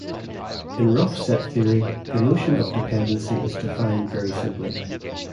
In rough set theory, the notion of dependency is defined very simply.